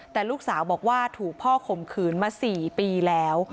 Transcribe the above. แต่ลูกสาวบอกว่าถูกพ่อข่มขืนมา๔ปีแล้ว